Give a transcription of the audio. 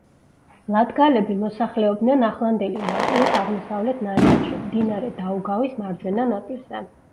ლატგალები მოსახლეობდნენ ახლანდელი ლატვიის აღმოსავლეთ ნაწილში, მდინარე დაუგავის მარჯვენა ნაპირზე.